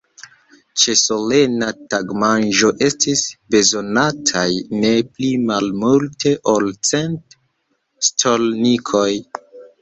Ĉe solena tagmanĝo estis bezonataj ne pli malmulte ol cent stolnikoj.